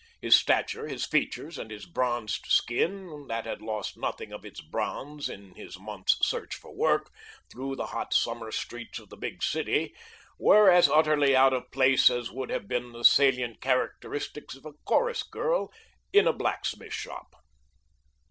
His stature, his features, and his bronzed skin, that had lost nothing of its bronze in his month's search for work through the hot summer streets of a big city, were as utterly out of place as would have been the salient characteristics of a chorus girl in a blacksmith shop.